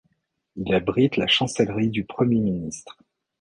Il abrite la Chancellerie du Premier Ministre.